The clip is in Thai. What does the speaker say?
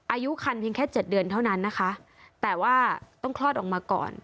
อายุคันเพียงแค่เจ็ดเดือนเท่านั้นนะคะแต่ว่าต้องคลอดออกมาก่อน